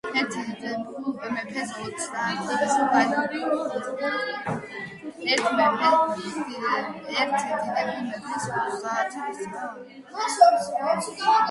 ერთ დიდებულ მეფეს ოცდაათი ვაჟი ყავდა.